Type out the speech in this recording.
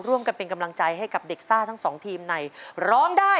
ร่วมกันเป็นกำลังใจให้กับเด็กซ่าทั้งสองทีมในร้องได้